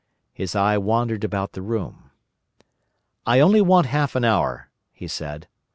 His eye wandered about the room. "I only want half an hour," he said.